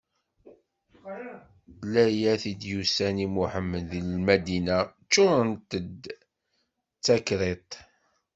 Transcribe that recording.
Layat i d-yusan i Muḥemmed di Lmadina ččurent d takriṭ.